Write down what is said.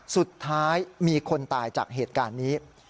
สุดท้ายมีคนตายจากเหตุการณ์นี้